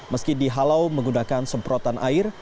meski dihalau menggunakan semprotan air